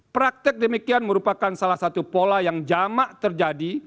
praktek demikian merupakan salah satu pola yang jamak terjadi